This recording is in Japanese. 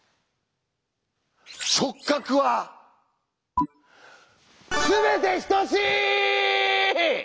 「直角は全て等しい」！